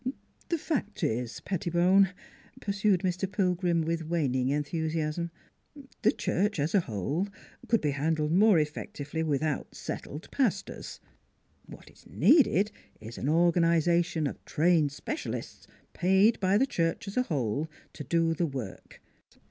" The fact is, Pettibone," pursued Mr. Pil grim, with waning enthusiasm, " the church, as a whole, could be handled more effectively with out settled pastors. What is needed is an organ 234 NEIGHBORS ization of trained specialists, paid by the church as a whole, to do the work.